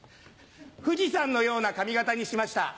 富士山のような髪形にしました。